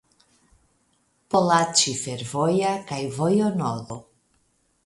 Pollaĉi fervoja kaj vojo nodo.